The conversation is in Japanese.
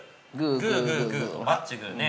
グーグーグーとバッチグーね。